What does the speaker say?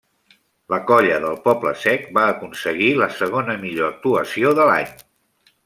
La colla del Poble-sec va aconseguir la segona millor actuació de l'any.